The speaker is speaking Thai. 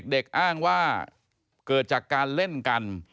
อ้างว่าเกิดจากการเล่นกัน